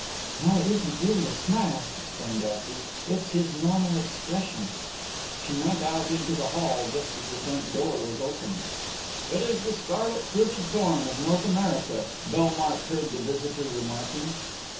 "No, it isn't really a smile," explained Elsie; "it's his normal expression." She went out into the hall just as the front door was opened. "It is the 'Scarlet fruited thorn' of North America," Bellmark heard the visitor remarking.